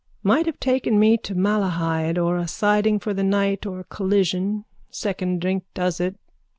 Might have taken me to Malahide or a siding for the night or collision. Second drink does it.